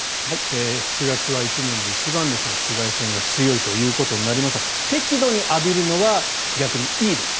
７月は１年で一番紫外線が強いということになりますが適度に浴びるのは逆にいいです。